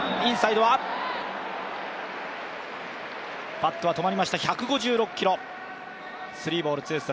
バットは止まりました１５６キロ。